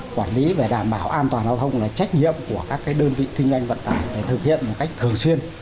quản lý về đảm bảo an toàn giao thông là trách nhiệm của các đơn vị kinh doanh vận tải để thực hiện một cách thường xuyên